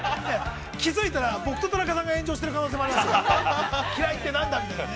◆気づいたら僕と田中さんが炎上してる可能性がありますね。